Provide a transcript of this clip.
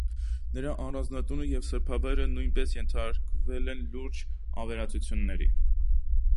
Նրա առանձնատունը և սրբավայրը նույնպես ենթարկվել են լուրջ ավերածությունների։